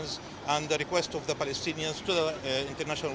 dan permintaan palestina ke dunia internasional